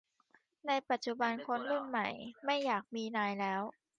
ในปัจจุบันคนรุ่นใหม่ไม่อยากมีนายแล้ว